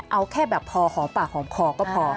เอาแค่แบบพอหอมปากหอมคอก็พอ